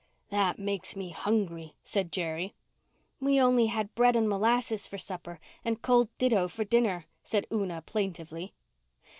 "That makes me hungry," said Jerry. "We had only bread and molasses for supper and cold ditto for dinner," said Una plaintively.